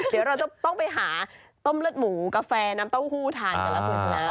เดี๋ยวเราจะต้องไปหาต้มเลือดหมูกาแฟน้ำเต้าหู้ทานกันแล้วคุณชนะ